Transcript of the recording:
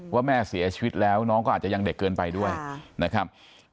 ว่าแม่เสียชีวิตแล้วน้องก็อาจจะยังเด็กเกินไปด้วยนะครับ